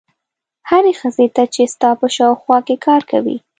هرې ښځې ته چې ستا په شاوخوا کې کار کوي.